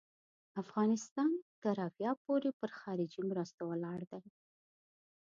افغانستان تر اویا پوري پر خارجي مرستو ولاړ دی.